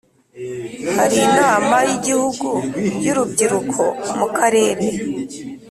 Hari Inama y ‘Igihugu y ‘Urubyiruko mu Karere.